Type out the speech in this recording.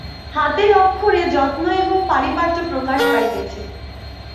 হাতের অক্ষরে যত্ন এবং পারিপাট্য প্রকাশ পাইতেছে।